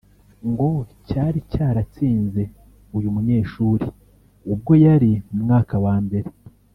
ngo cyari cyaratsinze uyu munyeshuri ubwo yari mu mwaka wa mbere